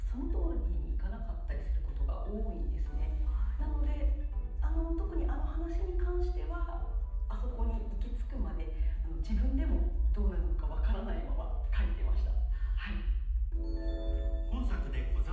なので、特にあの話に関してはあそこに行き着くまで自分でもどうなるか分からないまま書いていました。